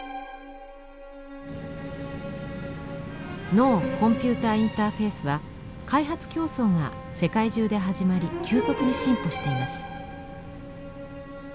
脳コンピューターインターフェイスは開発競争が世界中で始まり急速に進歩しています。